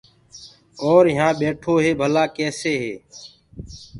اور يهآنٚ ٻيٺو هي ڀلآ ڪيسي هي۔